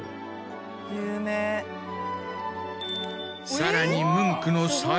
さらに。